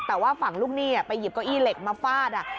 แต่ว่าฝั่งลูกหนี้ไปหยิบเก้าอี้เหล็กมาฟาด